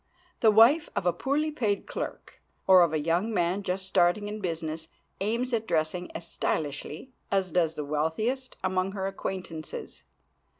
The wife of a poorly paid clerk or of a young man just starting in business aims at dressing as stylishly as does the wealthiest among her acquaintances.